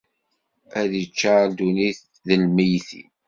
Ad iččar ddunit d lmeyytin.